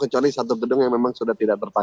kecuali satu gedung yang memang sudah tidak terpapar